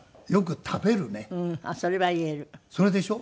それでしょ？